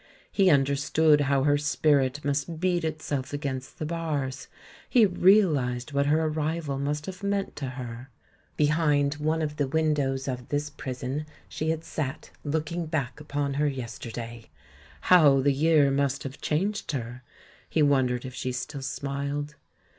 He understood how her spirit must beat itself against the bars, he realised what her arrival must have meant to her ; behind one of the windows of this prison she had sat looking back upon her yesterday ! How the year must have changed her ! he wondered if she still smiled.